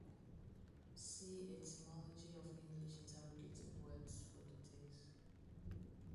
See etymology of English interrogative words for details.